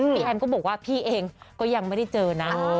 แอมก็บอกว่าพี่เองก็ยังไม่ได้เจอนะ